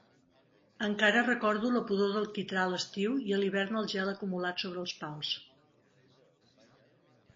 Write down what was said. Encara recordo la pudor del quitrà a l'estiu, i a l'hivern el gel acumulat sobre els pals.